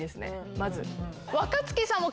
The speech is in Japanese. まず。